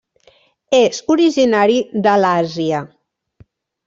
És originari de l'Àsia.